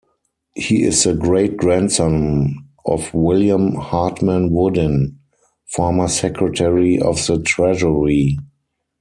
He is the great-grandson of William Hartman Woodin, former Secretary of the Treasury.